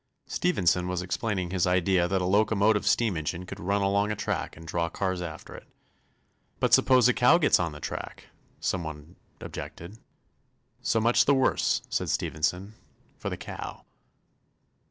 Stephenson was explaining his idea that a locomotive steam engine could run along a track and draw cars after it. "But suppose a cow gets on the track," some one objected. "So much the worse," said Stephenson, "for the cow."